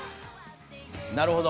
なるほど。